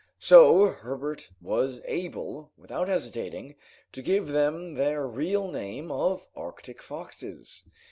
So Herbert was able, without hesitating, to give them their real name of "Arctic foxes."